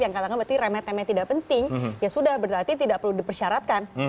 yang katakan berarti remeh temeh tidak penting ya sudah berarti tidak perlu dipersyaratkan